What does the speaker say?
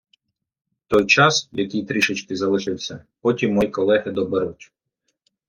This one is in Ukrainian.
Той час, який трішки залишився, потім мої колеги доберуть.